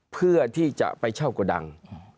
เพื่อที่จะไปเช่ากระดัง